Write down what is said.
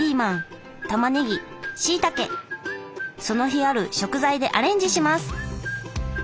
その日ある食材でアレンジします。